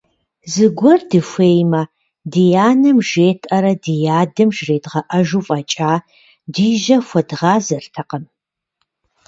Зыгуэр дыхуеймэ, ди анэм жетӀэрэ ди адэм жредгъэӀэжу фӀэкӀа ди жьэ хуэдгъазэртэкъым.